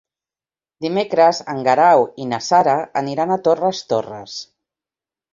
Dimecres en Guerau i na Sara aniran a Torres Torres.